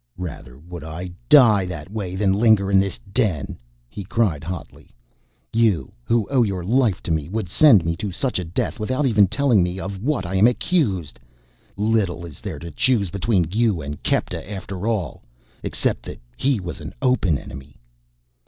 "Rather would I die that way than linger in this den," he cried hotly. "You, who owe your life to me, would send me to such a death without even telling me of what I am accused. Little is there to choose between you and Kepta, after all except that he was an open enemy!"